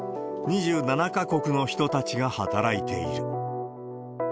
２７か国の人たちが働いている。